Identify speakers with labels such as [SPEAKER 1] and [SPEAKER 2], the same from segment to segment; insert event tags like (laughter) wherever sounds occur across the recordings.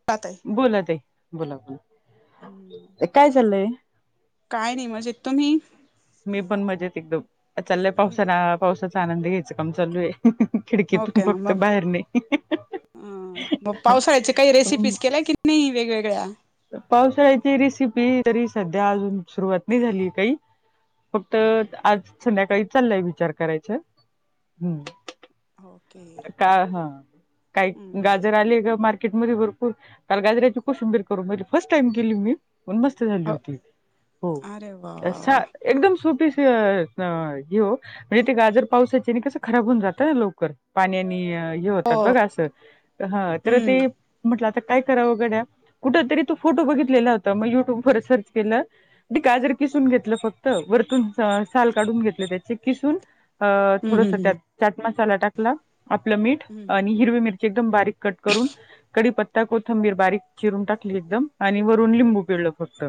[SPEAKER 1] (unintelligible)
[SPEAKER 2] बोला ताई. बोला बोला. काय चाललंय?
[SPEAKER 1] काय नाही. मजेत तुम्ही?
[SPEAKER 2] मी पण मजेत एकदम. चाललंय पावसान पावसाचा आनंद घ्यायचा काम चालू आहे. खिडकीतून
[SPEAKER 1] ओके
[SPEAKER 2] फक्त बाहेर नाही.
[SPEAKER 1] हं. मग पावसाळ्याच्या काही रेसिपीज केल्या कि नाही वेगवेगळ्या?
[SPEAKER 2] पावसाळ्याची रेसिपी तरी सध्या अजून सुरुवात नाही झाली काही. फक्त आज संध्याकाळी चाललंय विचार करायच. हम्म.
[SPEAKER 1] हो.
[SPEAKER 2] का हं. काही
[SPEAKER 1] हम्म
[SPEAKER 2] गाजर आले ग मार्केटमध्ये भरपूर. काल गाजरायाची कोशिंबीर करून बघितली फर्स्ट टाईम केली मी. पण मस्त झाली
[SPEAKER 1] हो
[SPEAKER 2] होती. हो
[SPEAKER 1] अरे वा वा वा
[SPEAKER 2] सा एकदम सोपी. हो म्हणजे ते गाजर पावसाचे आणि कसं खराब होऊन जात लवकर पाण्याने आणि - हे
[SPEAKER 1] हो
[SPEAKER 2] होतात बघ असं हा त्याला ते
[SPEAKER 1] हम्म
[SPEAKER 2] म्हटलं. आता काय कराव घड्या कुठ तरी तू फोटो बघितलेला होता मग युट्यूब व सर्च केलं. गाजर किसून घेतलं फक्त वरतून साल काढून घेतलं त्याचे किसून - अ
[SPEAKER 1] हम्म हम्म
[SPEAKER 2] थोडसं
[SPEAKER 1] हम्म
[SPEAKER 2] त्यात चाट मसाला टाकला आपलं मीठ
[SPEAKER 1] हम्म
[SPEAKER 2] आणि हिरवी मिरची. एकदम बारीक कट करून. कडीपत्ता कोथंबीर बारीक चिरून टाकली एकदम आणि वरून लिंबू पिळलं फक्त.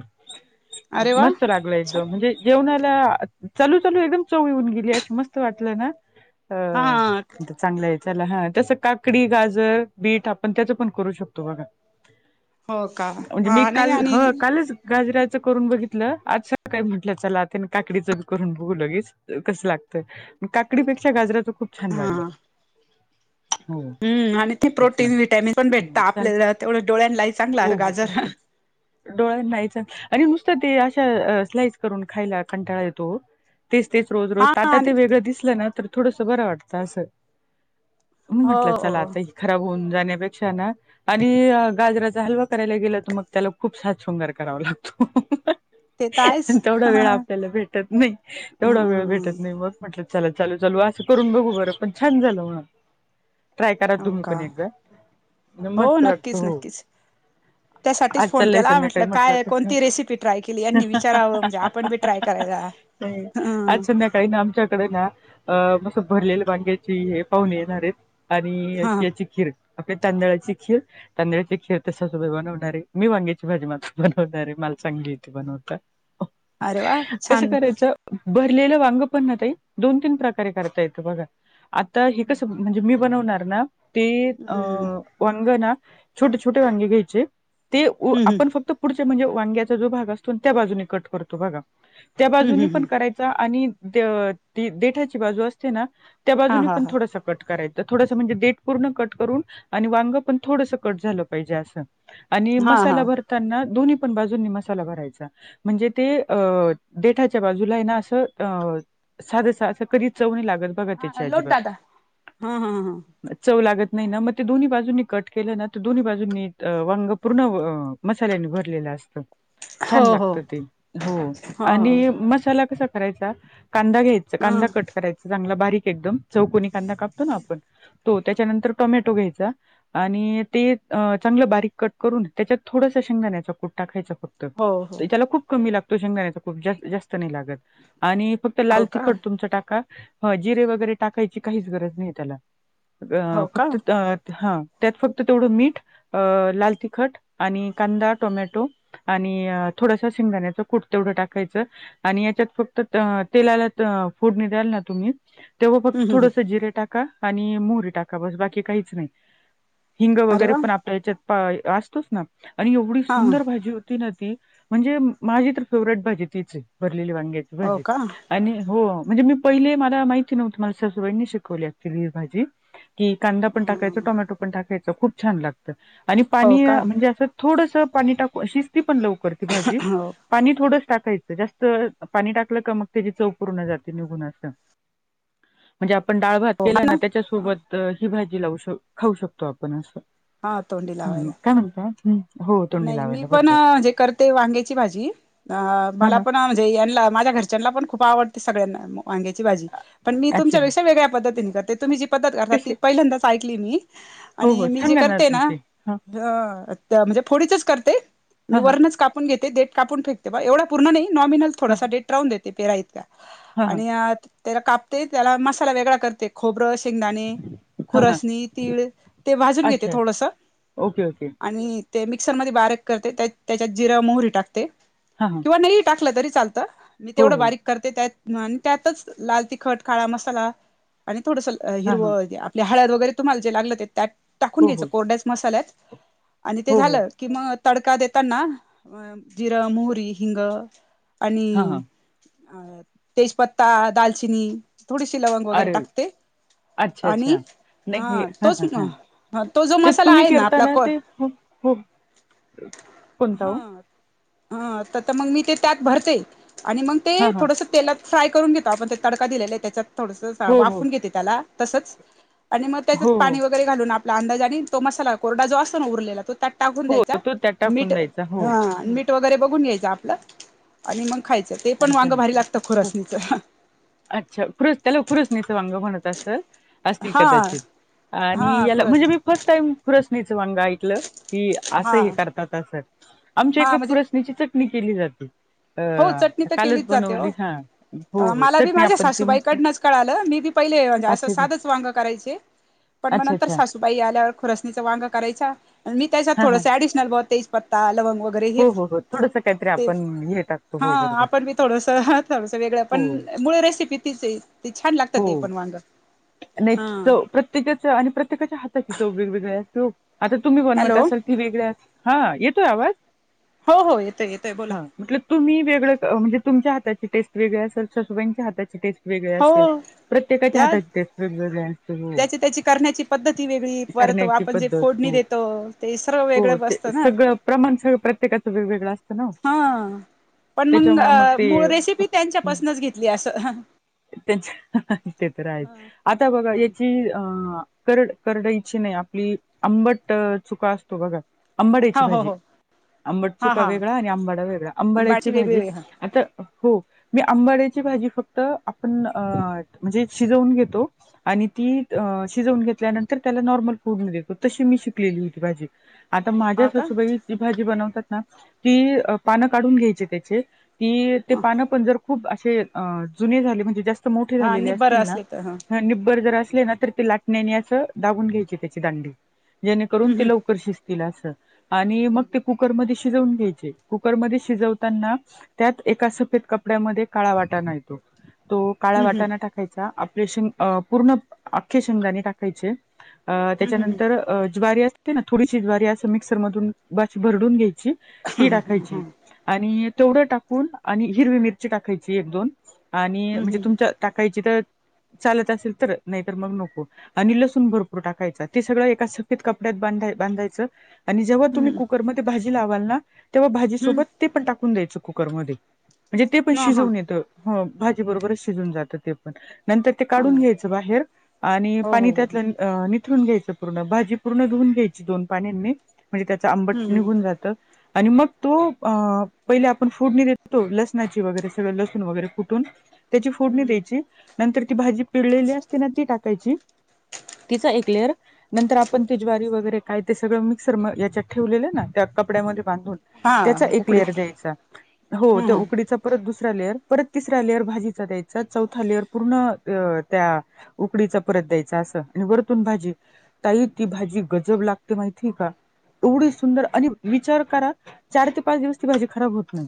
[SPEAKER 1] अरे वा
[SPEAKER 2] मस्त लागले
[SPEAKER 1] अच्छा
[SPEAKER 2] एकदम म्हणजे - जेवणाला चालू- चालू एकदम चववी होऊन गेली अशी मस्त वाटलं ना
[SPEAKER 1] हा
[SPEAKER 2] अ. चांगलं आहे चला हा तसं काकडी गाजर बीट आपण त्याचं पण करू शकतो बघा.
[SPEAKER 1] हो का
[SPEAKER 2] म्हणजे मी
[SPEAKER 1] हा नाही
[SPEAKER 2] काल
[SPEAKER 1] आणि
[SPEAKER 2] ह कालच. गाजराचं करून बघितलं आज काय म्हटलं चला त्या काकडीचं बी करून बघू लगेच. कसं लागतयं काकडीपेक्षा गाजरा तर खूप छान लागल.
[SPEAKER 1] हम् आणि ते
[SPEAKER 2] तेच ना
[SPEAKER 1] प्रोटीन विटामिन पण भेटत
[SPEAKER 2] चाल
[SPEAKER 1] आपल्याला तेवढं डोळ्यां लाही चांगलं गजर.
[SPEAKER 2] डोळे ना हि चांगलं. आणि नुसतं ते अशा स्लाइस करून खायला कंटाळा येतो हो. तेचं - तेचं रोज- रोज
[SPEAKER 1] हा
[SPEAKER 2] ताटा
[SPEAKER 1] आणि
[SPEAKER 2] ते वेगळ दिसलं ना, तर थोडंसं बरं वाटतं असं. म्हणून
[SPEAKER 1] हो
[SPEAKER 2] म्हंटलं
[SPEAKER 1] हो
[SPEAKER 2] चला आता ह खराब होऊन जाण्यापेक्षा ना - आणि गाजराचा हलवा करायला गेला तर मग त्याला खूप साथ शृंगार करावा लागतो.
[SPEAKER 1] ते तर आहेच
[SPEAKER 2] तेवढा वेळ आपल्याला भेटत नाही. तेवढा वेळ
[SPEAKER 1] हम्म
[SPEAKER 2] भेटत नाही मग. म्हटलं चला चालू- चालू असं करून बघू बरं पण छान झालं म. ट्राय करा
[SPEAKER 1] हो
[SPEAKER 2] तुम्ही
[SPEAKER 1] का
[SPEAKER 2] पण एकदा
[SPEAKER 1] हो
[SPEAKER 2] मस्त वाटत
[SPEAKER 1] नक्कीच
[SPEAKER 2] हो.
[SPEAKER 1] नक्कीच त्यासाठीच
[SPEAKER 2] आज
[SPEAKER 1] फोन
[SPEAKER 2] चाललंय
[SPEAKER 1] केला म्हटलं
[SPEAKER 2] संध्याकाळी
[SPEAKER 1] काय
[SPEAKER 2] तर
[SPEAKER 1] कोणती रेसिपी ट्राय केली यांनी विचारावं आ. आपण बी ट्राय करायला.
[SPEAKER 2] ह् आज
[SPEAKER 1] ह
[SPEAKER 2] संद्या- काही ना आमच्याकडे ना अ मस्त भरलेल्या वांग्याची हे पाहून येणार आहेत. आणि
[SPEAKER 1] हा
[SPEAKER 2] याची खीर आपल्या तांदळाची खीर. तांदळा ची खीर सासूबाई बनवणारे मी वांगेची भाजी मात्र बनवणारे मला चांगली येती बनवता. हो.
[SPEAKER 1] अरे वा छान
[SPEAKER 2] कसं करायचं भरलेलं वांग पण ना ताई दोन तीन प्रकारे करता येतं बघा. तर हे कसं म्हणजे मी बनवणार ना ते अ..
[SPEAKER 1] हम्म
[SPEAKER 2] वांग ना छोटे छोटे वांगे घ्यायचे ते
[SPEAKER 1] हम्म
[SPEAKER 2] आपण फक्त - पुढच्या म्हणजे वांग्याचा जो भाग असतो त्या बाजून कट करतो बघा
[SPEAKER 1] हम्म
[SPEAKER 2] त्याबाजूनी
[SPEAKER 1] हम्म
[SPEAKER 2] पण करायचा. आणि देटाची बाजू असते ना त्या
[SPEAKER 1] हा
[SPEAKER 2] बाजून.
[SPEAKER 1] हा हा
[SPEAKER 2] कट कराय थोडसं म्हणजे देट पूर्ण कट करुन. आणि वांग पण थोडसं कट झालं पाहिजे असं आणि
[SPEAKER 1] हा हा
[SPEAKER 2] मसाला भर. त्यांना दोन्ही पण बाजूनी मसाला भरायचा. म्हणजे ते अ देठाच्या बाजुला आहे ना असं अ. साधं स असं कधी चवही लागतं.
[SPEAKER 1] हा अ लोट दादा हम्म- हम्म हम्
[SPEAKER 2] चव लागत नाही ना मग ते दोन्ही बाजूंनी कट केलं ना तर दोन्ही बाजूंनी वांग पूर्ण - मसाल्याने भरलेलं असतं.
[SPEAKER 1] हो
[SPEAKER 2] छान
[SPEAKER 1] हो
[SPEAKER 2] लागत ते हो
[SPEAKER 1] हो हो
[SPEAKER 2] आणि मसाला कसा करायचा. कांदा घ्यायचा, कांदा कट करायच चांगला बारीक एकदम, चौकणी कांदा कापतो ना आपण तो त्याच्यानंतर टोमॅटो घ्यायचा आणि ते चांगलं बारीक कट करून त्याच्यात थोडसं शेंगदाण्याच कुट टाकायचं फक्त
[SPEAKER 1] हो हो
[SPEAKER 2] त्याला खूप कमी लागतो शेंगदाण्याचा कूट जास्त जास्त नाही लागत आणि फक्त तर
[SPEAKER 1] हो
[SPEAKER 2] लाल
[SPEAKER 1] का
[SPEAKER 2] तिखट तुमच टाका, ह जिरे वगैरे टाकायची काहीच गरज नाही त्याला अ
[SPEAKER 1] हो का
[SPEAKER 2] फक्त हा (inaudible) त्यात फक्त तेवढं मीठ, लाल तिखट आणि कांदा, टोमॅटो आणि थोडसा शिंगाण्याचं कूट तेवढं टाकायचं आणि याच्यात फक्त तेलाला फोडणी द्याल ना तुम्ही तेव्हा फक्त
[SPEAKER 1] हम्म हम्म
[SPEAKER 2] थोडस जिरे टाका आणि मोहरी टाका बस बाकी काहीच नाही हिंग
[SPEAKER 1] अरे
[SPEAKER 2] वगैरे
[SPEAKER 1] वा
[SPEAKER 2] पण आपल्या हच्यात असतोच ना आणि एवढी
[SPEAKER 1] हा
[SPEAKER 2] सुंदर भाजी होती ना ती म्हणजे माझी तर फेवरेट भाजी तीच आहे भरलेली वांग्याची
[SPEAKER 1] हो
[SPEAKER 2] भाजी
[SPEAKER 1] का
[SPEAKER 2] आणि हो म्हणजे मी पहिले मला माहिती नव्हती मला सासूबाईंनी शिकवली अक्चुअली ही भाजी की कांदा पण टाकायचं टोमॅटो पण टाकायचं खूप छान लागतं आणि
[SPEAKER 1] हो
[SPEAKER 2] पाणी
[SPEAKER 1] का
[SPEAKER 2] म्हणजे असं थोडस पाणी टाकू, शिजती पण लवकर ती भाजी
[SPEAKER 1] हो
[SPEAKER 2] पाणी थोडंस टाकायचं जास्त पाणी टाकलं का मग त्याची चव पूर्ण जाते निघून असं म्हणजे आपण डाळ भात केला ना त्याच्यासोबत ही भाजी लावू शक खाऊ शकतो आपण असं
[SPEAKER 1] हा तोंडी
[SPEAKER 2] हम्म..
[SPEAKER 1] लावायला
[SPEAKER 2] काय म्हणताय?
[SPEAKER 1] नाही मी पण म्हणजे करते वांग्याची भाजी अ
[SPEAKER 2] हा
[SPEAKER 1] मला
[SPEAKER 2] हा
[SPEAKER 1] पण म्हणजे यांना माझ्या घर घरच्यांला खूप आवडते सगळ्यांना वांग्याची भाजी, पण मी
[SPEAKER 2] अच्छा
[SPEAKER 1] तुमच्यापेक्षा वेगळ्या पद्धतीने करते, तुम्ही जी पद्धत पद्धत करतात
[SPEAKER 2] कसे
[SPEAKER 1] ती पहिल्यांदाच ऐकली मी
[SPEAKER 2] हो
[SPEAKER 1] आणि
[SPEAKER 2] हो
[SPEAKER 1] मी जे
[SPEAKER 2] सांगा
[SPEAKER 1] करते ना
[SPEAKER 2] तुमचे हा
[SPEAKER 1] ह म्हणजे फोडीचच करते मी
[SPEAKER 2] हा हा
[SPEAKER 1] वरणच कापून घेते देट कापून फेकते ते एवढा पूर्ण नाही नॉमिनल
[SPEAKER 2] हा
[SPEAKER 1] थोडासा देठ राहून देते पेरा इतका
[SPEAKER 2] हा हा
[SPEAKER 1] आणि त्याला कापते त्याला मसाला वेगळा करते खोबरं, शेंगदाणे
[SPEAKER 2] हा हा
[SPEAKER 1] खुरसणी, तीळ ते भाजून घेते
[SPEAKER 2] अच्छा
[SPEAKER 1] थोडस
[SPEAKER 2] ओके ओके
[SPEAKER 1] आणि ते मिक्सरमध्ये बारीक करते, त्या त्याच्यात जिरा, मोहरी टाकते
[SPEAKER 2] हा हां..
[SPEAKER 1] किंवा नाही टाकल तरी चालत, मी तेवढं बारीक करते, त्या त्यातच लाल तिखट, काळा मसाला आणि थोडस
[SPEAKER 2] हा हा
[SPEAKER 1] हिरवं हळद वगैरे तुम्हाला जे लागलं ते त्यात टाकून
[SPEAKER 2] हो
[SPEAKER 1] घ्यायंच
[SPEAKER 2] हो
[SPEAKER 1] कोरड्याच मसाल्यात आणि ते
[SPEAKER 2] हो हो
[SPEAKER 1] झालं की मग तडका देताना जिरं, मोहरी, हिंग
[SPEAKER 2] हा
[SPEAKER 1] आणि
[SPEAKER 2] हा
[SPEAKER 1] अ तेजपत्ता, दालचिनी थोडीशी लवंग वगैरे
[SPEAKER 2] अरे
[SPEAKER 1] टाकते
[SPEAKER 2] अच्छा
[SPEAKER 1] आणि
[SPEAKER 2] अच्छा नाही
[SPEAKER 1] हा
[SPEAKER 2] हे,
[SPEAKER 1] तोच
[SPEAKER 2] हा हा
[SPEAKER 1] तो जो
[SPEAKER 2] ते
[SPEAKER 1] मसाला
[SPEAKER 2] तुम्ही
[SPEAKER 1] आहे ना
[SPEAKER 2] करता
[SPEAKER 1] आपला कोरड
[SPEAKER 2] ते हो हो. कोणता हो
[SPEAKER 1] हा हा तर आता मग मी ते त्यात भरते आणि मग ते
[SPEAKER 2] हा हा
[SPEAKER 1] थोडंसं तेलात फ्राय करून घेतो आपण ते तडका दिलेला आहे त्याच्यात थोडस
[SPEAKER 2] हो हो
[SPEAKER 1] वाफवून घेते त्याला तसच आणि मग त्याच्या
[SPEAKER 2] हो हो
[SPEAKER 1] पाणी ओतून वैगेरे घालून आपला अंदाजाने आणि तो मसाला कोरडा जो असतो ना उरलेला त्यात टाकून
[SPEAKER 2] हो
[SPEAKER 1] द्यायचा,
[SPEAKER 2] तो त्यात
[SPEAKER 1] मीठ
[SPEAKER 2] टाकून
[SPEAKER 1] ह
[SPEAKER 2] द्यायचा हो
[SPEAKER 1] मीठ मीठ वगैरे बघून घ्यायच आपलं आणि मग खायचं ते पण
[SPEAKER 2] आणि
[SPEAKER 1] वांग
[SPEAKER 2] झालं
[SPEAKER 1] भारी लागतं
[SPEAKER 2] हो
[SPEAKER 1] खुरसणीच
[SPEAKER 2] अच्छा! कृत्याला त्याला खुरसणीच वांग म्हणत असंल असतील
[SPEAKER 1] हा
[SPEAKER 2] कदाचित आणि
[SPEAKER 1] हा
[SPEAKER 2] याला म्हणजे
[SPEAKER 1] खुरसणी
[SPEAKER 2] मी फर्स्ट टाइम खुरसनीच वांग ऐकलं कि असं
[SPEAKER 1] हा
[SPEAKER 2] हे करतात असत,, आमच्या एका
[SPEAKER 1] हा म्हणजे
[SPEAKER 2] खुरसणीची चटणी केली जाते
[SPEAKER 1] हो
[SPEAKER 2] अ..
[SPEAKER 1] चटणी
[SPEAKER 2] कालच
[SPEAKER 1] केलीच जाते ओ
[SPEAKER 2] बनवली हा हो
[SPEAKER 1] अ
[SPEAKER 2] हो
[SPEAKER 1] मला बी
[SPEAKER 2] चटणी
[SPEAKER 1] माझ्या
[SPEAKER 2] आपण ती मस्त
[SPEAKER 1] सासूबाईकडंच कळालं मी बी पहिले अस
[SPEAKER 2] अच्छा अच्छा
[SPEAKER 1] सादच वांग करायचे पण म
[SPEAKER 2] अच्छा
[SPEAKER 1] नंतर
[SPEAKER 2] अच्छा
[SPEAKER 1] सासू बाई आल्यावर खुरसणीचा वांग करायचा मी त्याच्यात
[SPEAKER 2] हा हा
[SPEAKER 1] थोडस ऍडिशनल ब तेज पत्ता लवंग व
[SPEAKER 2] हो हो हो थोडस कायतरी आपण येतात
[SPEAKER 1] हा आपण बी थोडस थोडसं वेगळ
[SPEAKER 2] हो
[SPEAKER 1] पण मुळ रेसिपी तीच छान लागत ते
[SPEAKER 2] हो
[SPEAKER 1] पण वांग हा.
[SPEAKER 2] त्याच्याच आणि प्रत्येकाच्या हाताची चव वेगवेगळी असते ओ आता तुम्ही बनवत
[SPEAKER 1] हॅलो
[SPEAKER 2] असाल ती वेगळ्यात. हा येतोय आवाज?
[SPEAKER 1] हो हो येतोय येतोय बोला.
[SPEAKER 2] हां, म्हटलं तुम्ही वेगळं म्हणजे तुमच्या हाताची टेस्ट वेगळी असल सासूबाईंच्या हाताची टेस्ट वेगळे
[SPEAKER 1] हो
[SPEAKER 2] असेल. प्रत्येकाच्या
[SPEAKER 1] ह्या
[SPEAKER 2] हातात टेस्ट वेगवेगळ्या आय.
[SPEAKER 1] ज्याची त्याची करण्याची पद्धत ही वेगळी परत
[SPEAKER 2] करण्याची
[SPEAKER 1] आपण जे
[SPEAKER 2] पद्धत
[SPEAKER 1] फोडणी
[SPEAKER 2] हो,
[SPEAKER 1] देतो ते सर्व
[SPEAKER 2] हो
[SPEAKER 1] वेगळं
[SPEAKER 2] ते
[SPEAKER 1] बसतं ना.
[SPEAKER 2] सगळं प्रमाण सगळं प्रत्येकाचं वेगवेगळं असतं ना
[SPEAKER 1] हा पण
[SPEAKER 2] त्याच्यामूळ मग ते
[SPEAKER 1] मूळ रेसिपी त्यांच्यापासूनच घेतली असं.
[SPEAKER 2] त्यांच्या ते तर आहे. आता बघा याची की करड करडायची नाय आपली आंबट चुका असतो बघा? आंबाड्याची
[SPEAKER 1] हो हो
[SPEAKER 2] भाजी
[SPEAKER 1] हो
[SPEAKER 2] आंबड
[SPEAKER 1] हा
[SPEAKER 2] चुका
[SPEAKER 1] हा
[SPEAKER 2] वेगळा आणि आंबाडा वेगळा. आंबाड्याची
[SPEAKER 1] बाळची वेगळी
[SPEAKER 2] भाजी
[SPEAKER 1] वेगळी हा
[SPEAKER 2] आता हो मी आंबाड्याची भाजी फक्त आपण म्हणजे शिजवून घेतो. आणि ती शिजवून घेतल्यानंतर त्याला नॉर्मल फोडणी देतो तशी मी शिकलेली होती भाजी. आता माझ्या
[SPEAKER 1] हा का
[SPEAKER 2] सासूबाई जी भाजी बनवतात ना ती पानं काढून घ्यायची त्याचे. ती ते
[SPEAKER 1] हा
[SPEAKER 2] पानं पण जर खूप अशे जुने झाले म्हणजे जास्त मोठे झालेले
[SPEAKER 1] आणि
[SPEAKER 2] असतील
[SPEAKER 1] बरं
[SPEAKER 2] ना
[SPEAKER 1] असले तर
[SPEAKER 2] हा निब्बर जर असले ना तर ते लाटण्याने असं दागून घ्यायचे त्याची दांडी जेणेकरून ते लवकर शिजतील अस. आणि मग
[SPEAKER 1] हम्म
[SPEAKER 2] ते कुक र मध्ये शिजून घ्यायचे कुकर मध्ये शिजवताना त्यात एका सफेद क पड्यामध्ये काळा वाटाणा येतो तो काळा वाटाणा टाकायचा शेंग अ पूर्ण अख्ये शेंगदाणे टकायचे अ
[SPEAKER 1] हम्म हम्म
[SPEAKER 2] त्याच्यानंतर ज्वारी आ ती ना थोडीशी ज्वारी अस मिक्सर मधून ब अशी भरडून घ्यायची ती टाकायची. आणि तेवढं टाकून आणि हिरवी मिरची टाकायची एक दोन आणि म्हणजे
[SPEAKER 1] हम्म हम्म
[SPEAKER 2] तुमच्या टाकायची तर चालत असेल तरच नाय तर मग नको. आणि लसूण भरपूर टाकायचा ते सगळं एका सफेद कपड्यात बांधाय बांधायचं. आणि जेव्हा तुम्ही कुकरमध्ये भाजी लावाल ना तेव्हा
[SPEAKER 1] हम्म.
[SPEAKER 2] भाजीसोबत ते पण टाकून द्यायचं कुकरमध्ये. म्हणजे ते पण
[SPEAKER 1] ह हा
[SPEAKER 2] शिजवून येतं हो भाजी बरोबरच शिजून जातं ते. नंतर ते
[SPEAKER 1] ह
[SPEAKER 2] काढून घ्यायचं बाहेर आणि
[SPEAKER 1] हो
[SPEAKER 2] पाणी
[SPEAKER 1] हो हो हम्म
[SPEAKER 2] त्यातल अ निथळून घ्यायचं पूर्ण भाजी पूर्ण धुऊन घ्यायची दोन पाण्यांनी. म्हणजे त्याचं आंबट निघून जातं आणि मग तुप अ पहिले आपण फोडणी देतो लसणाची वगैरे सगळं लसूण वगैरे कुटून. त्याची फोडणी
[SPEAKER 1] हम्म
[SPEAKER 2] द्यायची नंतर ती भाजी पिळलेली असते ना ती टाकायची. तिचा एक लेअर. नंतर आपण ते ज्वारी वगैरे काय ते सगळं मिक्सर म याच्यात ठेवलेलं ना त्या कपड्यामध्ये बांधून
[SPEAKER 1] हा
[SPEAKER 2] त्याचा एक
[SPEAKER 1] उकडीत
[SPEAKER 2] लेयर द्यायचा. हो
[SPEAKER 1] हम्म
[SPEAKER 2] ते ऊ
[SPEAKER 1] हम्म
[SPEAKER 2] त्याचा परत दुसरा लेअर परत तिसरा लेअर भाजीचा द्यायचा चौथा लेअर पूर्ण त्या उकडीचा परत द्यायचा अस आणि वरतून भाजी. ताई ती भाजी गजब लागते माहितीय का? एवढी सुंदर आणि विचार करा चार ते पाच दिवस ती भाजी खराब होत नाय.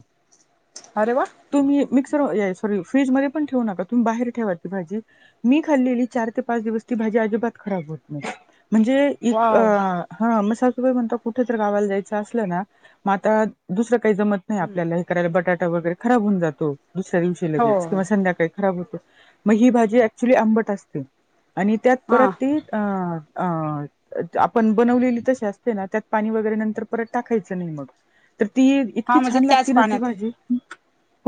[SPEAKER 1] अरे वा.
[SPEAKER 2] तुम्ही मिक्सर सॉरी फ्रीज मध्ये पण ठेवू नका तुम्ही बाहेर ठेवा ती भाजी मी खाल्लेली चार ते पाच दिवस ती भाजी अजिबात खराब होत नाही म्हणजे एक अ
[SPEAKER 1] वाव
[SPEAKER 2] हा मग सासुबाई म्हणतात कुठे तर गावायला जायचं असलं ना मग आता दुसरं काही जमत नाही
[SPEAKER 1] हम्म
[SPEAKER 2] आपल्याला करायला बटाटा वगैरे खराब होऊन जातो दुसऱ्या दिवशी
[SPEAKER 1] हो
[SPEAKER 2] लगेच
[SPEAKER 1] हो
[SPEAKER 2] किंवा संध्याकाळी खराब होतो मग ही भाजी अऍक्च्युली आंबट असते आणि त्यात
[SPEAKER 1] हा
[SPEAKER 2] परत ती अ अ आपण बनवलेली तशी असते ना त्यात पाणी वगैरे नंतर परत टाकायचं नाही मग तर ती इतकी
[SPEAKER 1] हा म्हणजे
[SPEAKER 2] छान
[SPEAKER 1] त्याच
[SPEAKER 2] लागती ना ती
[SPEAKER 1] पाण्यात
[SPEAKER 2] भाजी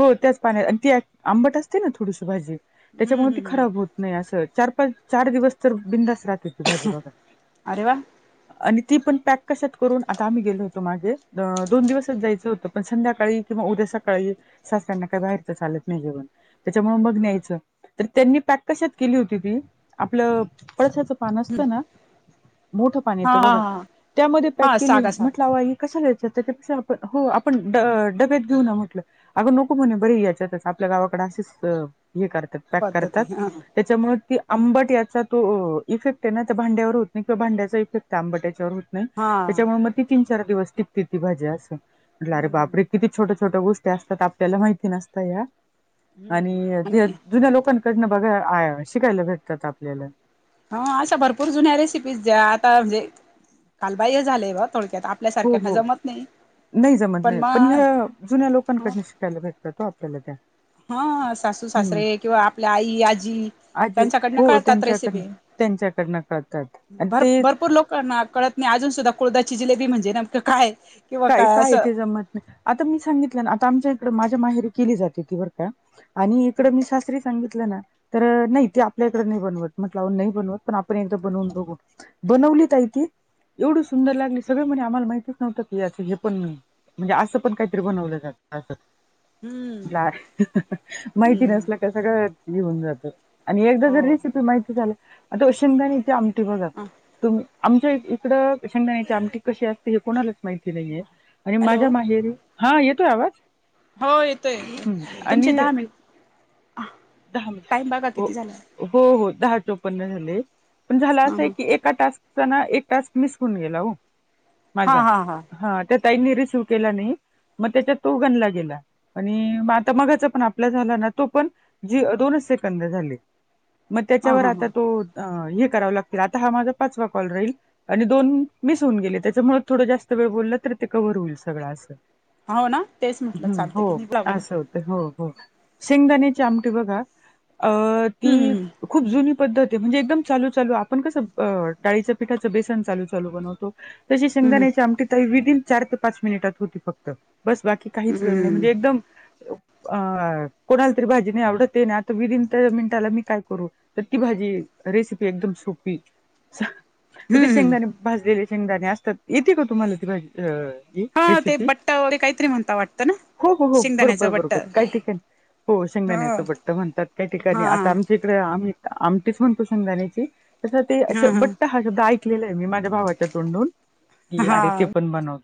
[SPEAKER 2] हो त्याच पाण्यात आणि ती आंबट असते ना थोडीस भाजी
[SPEAKER 1] हम्म
[SPEAKER 2] त्याच्यामुळेती
[SPEAKER 1] हम्म हम्म
[SPEAKER 2] खराब होत नाही असं चार पाच चार दिवस तर बिंदास राहते ती भाजी बघा.
[SPEAKER 1] अरे वा
[SPEAKER 2] आणि ती पण पॅक कशात करून आता आम्ही गेलो होतो मागे अ दोन दिवसच जायचं होतं संध्याकाळी किंवा उद्या सका काळी सासऱ्यांना काही बाहेरच चालत नाही जेवण त्याच्यामुळे मग
[SPEAKER 1] हम्म
[SPEAKER 2] न्यायचं तर त्यांनी पॅक कशात केली होती ती आपलं पळसाच पान असत ना मोठ पान
[SPEAKER 1] हा
[SPEAKER 2] येतं
[SPEAKER 1] हा
[SPEAKER 2] बघा
[SPEAKER 1] हा
[SPEAKER 2] त्यामध्ये पॅक
[SPEAKER 1] हा
[SPEAKER 2] केली
[SPEAKER 1] सागा सागा
[SPEAKER 2] म्हटलं आओ आई कस लहायचं त्याच्यापेक्षा आपण हो आपण ड डब्यात घेऊ ना मग अ नको म्हणे बरी याच्यात आपल्या गावाकडे असेच हे करतात पॅक
[SPEAKER 1] पद्धती
[SPEAKER 2] करतात.
[SPEAKER 1] हा
[SPEAKER 2] त्याच्यामुळे ती आंबट याचा तो इफेक्ट आहे ना त्या भांड्यावर होत नाही किंवा भांड्याचा इफेक्ट त्या आंबट्याच्यावर होत नाही.
[SPEAKER 1] हा.
[SPEAKER 2] त्याच्यामुळे मग ती तीन चार दिवस टिकते ती भाजी असं अर
[SPEAKER 1] हम्म
[SPEAKER 2] बापरे किती छोट्या छोट्या गोष्ट असतात आपल्याला माहिती नसत या
[SPEAKER 1] हम्म हम्म.
[SPEAKER 2] आणि जे जुन्या लोकांकडनं बघा शिकायला भेटतात आपल्याला
[SPEAKER 1] हो अशा भरपूर जुन्या रेसिपीज द्या आता म्हणजे कालबाह्य झाले ब थोडक्यात आप
[SPEAKER 2] हो हो नाही जमत नाही पण ह्या जुन्या लोकांकडे शिकाला भेटतातो आपल्याला त्या
[SPEAKER 1] हा सासू
[SPEAKER 2] हम्म
[SPEAKER 1] सासरे किंवा आपल्या आई आजी
[SPEAKER 2] आजी
[SPEAKER 1] त्यांच्याकडन
[SPEAKER 2] हो
[SPEAKER 1] कळतात
[SPEAKER 2] त्यांच्याकडन
[SPEAKER 1] रेसिपी
[SPEAKER 2] त्यांच्याकडनं कळतात आणि
[SPEAKER 1] भ
[SPEAKER 2] ते
[SPEAKER 1] भरपूर लोक कळत नाही अजून सुद्धा कुळददाची जिलेबी म्हणजे नेमकं काय किंवा
[SPEAKER 2] काय काय य
[SPEAKER 1] असं
[SPEAKER 2] ते जमत नाही आता मी सांगितलं ना आता आमच्या इकड माझ्या माहेरी केली जाते ती बर का आणि इकड मी सासरी सांगितलं ना तर नाही ते आपल्याकडे नाही बनवत म्हटलं नाही बनवत पण आपण एकदा बनवून बघू बनवली तरी ती एवढी सुंदर लागली सगळे म्हणे आम्हाला माहितीच नव्हतं ये अस हे पण नाही म्हणजे असा काहीतरी बनवलं जात असं
[SPEAKER 1] हम्म.
[SPEAKER 2] नाय माहिती
[SPEAKER 1] हम्म
[SPEAKER 2] नसल का सगळं येऊन जात आणि एकदा
[SPEAKER 1] हो
[SPEAKER 2] जर रेसिपी माहिती झालं आता शेंगदाण्याची आमटी ते बघा आमच्या इकड शेंगदाण्याची आमटी कशी असते हे कोणालाच (unintelligible) आणि
[SPEAKER 1] हॅलो
[SPEAKER 2] माझ्या माहेरी हा येतोय आवाज
[SPEAKER 1] हो येतोय
[SPEAKER 2] हम्म
[SPEAKER 1] तुमचे
[SPEAKER 2] आणि
[SPEAKER 1] दहा मिनी
[SPEAKER 2] दहा मि हो हो हो दहा चोपन्ना झाले पण झाल
[SPEAKER 1] हा
[SPEAKER 2] असं क एका टास्चा ना एक टास्क मिस करून गेला हो
[SPEAKER 1] हा हा
[SPEAKER 2] माझा
[SPEAKER 1] हा
[SPEAKER 2] हा त्या ताईनी रिसीव केला नाही मग त्याच्यात तो गणला गेला आणि आता मगाचा पण आपला झाला ना तो पण जी दोनच सेकंद झाली मग
[SPEAKER 1] हा
[SPEAKER 2] त्याच्यावर
[SPEAKER 1] हा
[SPEAKER 2] आता तो
[SPEAKER 1] हा
[SPEAKER 2] अ हे करावं लागतील आता हा माझा पाचवा कॉल राहील आणि दोन मिस होऊन गेले त्याच्यामुळ थोडं जास्त वेळ बोलला तर ते कव्हर होईल सगळं असं.
[SPEAKER 1] हो ना तेच म्हटलं
[SPEAKER 2] हम्म,
[SPEAKER 1] चालतं
[SPEAKER 2] हो
[SPEAKER 1] की लागला
[SPEAKER 2] असं होतं हो हो शेंगदाणेची आमटी बघा अ ती
[SPEAKER 1] हम्म हम्म
[SPEAKER 2] खूप जुनी पद्धती म्हणजे एकदम चालू चालू आपण कसं डाळीच्या पिठाचं बेसन चालू चालू बनवतो. तशी
[SPEAKER 1] हम्म
[SPEAKER 2] शंगदााण्याची आमटी ताई विदिन चार ते पाच मिनिटात होती फक्त बस बाकी काहीच वेळ नाही
[SPEAKER 1] हम्म
[SPEAKER 2] म्हणजे एकदम अ कोणा तरी भाजी नाही आवडतये ना आता विदिन मिनटाला मी काय करू? तर ती भाजी रेसिपी एकदम सोपी. तर ते
[SPEAKER 1] हम्म
[SPEAKER 2] शेंगदाणे भाजलेले शेंगदाणे असतात येते का तुम्हाला ती भाजी? अ ती
[SPEAKER 1] हा ते
[SPEAKER 2] रेसिपी
[SPEAKER 1] बट्ट वगैरे काहीतरी म्हणता वाटतं ना
[SPEAKER 2] हो हो हो बरोबर
[SPEAKER 1] शेंगदाण्याचं बट्ट
[SPEAKER 2] बरोबर काही
[SPEAKER 1] ह
[SPEAKER 2] ठीकण हो शेंगाण्याचं बट्ट म्हणतात काही ठिकाणी
[SPEAKER 1] हा हा
[SPEAKER 2] आता आमच्या इकडे आम्ही आमटीच म्हणतो शेंगदाण्याची. तस ते अस बट्ट हा सुद्धा ऐकलेला आहे मी माझ्या भावाच्या तोंडून की अरे
[SPEAKER 1] हा
[SPEAKER 2] ते पण बनव